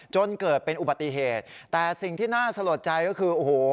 จนเกิดเป็นอุบัติเหตุแต่สิ่งที่น่าสลดใจก็คือโอ้โห